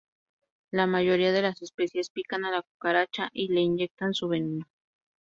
La mayoría de las especies pican a la cucaracha y le inyectan su veneno.